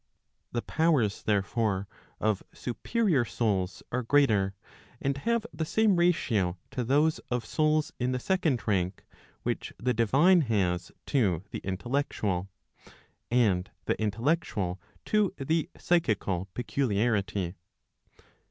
The powers, therefore, of superior souls are greater, and have the same ratio to those of souls in the second rank, which the divine has to the intellec¬ tual, and the intellectual to the psychical peculiarity.